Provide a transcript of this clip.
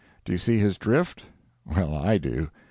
Do you see his drift? Well, I do.